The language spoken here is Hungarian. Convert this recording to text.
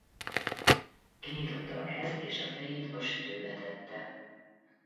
Kinyitotta a gázt és a fejét a sütőbe tette.